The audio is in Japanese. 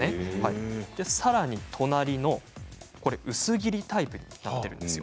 さらに隣の薄切りタイプになっているんですよ。